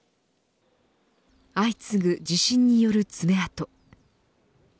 相次ぐ地震による爪痕。